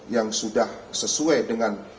yang sudah sesuai dengan